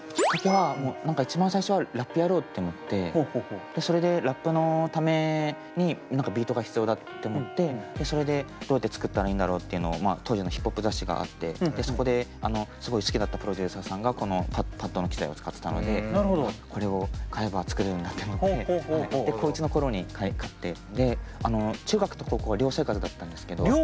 きっかけは一番最初は「ラップやろう」って思ってそれでラップのためにビートが必要だって思ってそれでどうやって作ったらいいんだろうっていうのを当時のヒップホップ雑誌があってそこですごい好きだったプロデューサーさんがこのパッドの機材を使ってたのでこれを買えば作れるんだと思って高１の頃に買って中学と高校が寮生活だったんですけど。